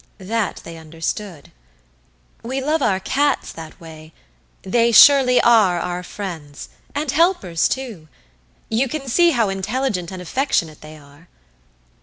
That they understood. "We love our cats that way. They surely are our friends, and helpers, too. You can see how intelligent and affectionate they are."